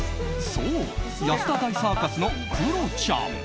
そう、安田大サーカスのクロちゃん。